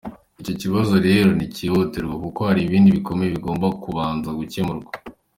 Icyo kibazo rero nticyihutirwa kuko hari ibindi bikomeye, bigomba kubanza gukemurwa.